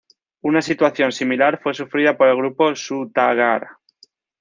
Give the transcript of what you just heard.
Una situación similar fue sufrida por el grupo Su Ta Gar.